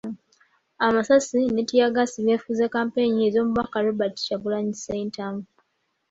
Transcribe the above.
Amasasi ne ttiyaggaasi byefuze kampeyini z'Omubaka Robert Kyagulanyi Ssentamu.